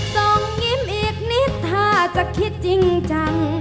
งยิ้มอีกนิดถ้าจะคิดจริงจัง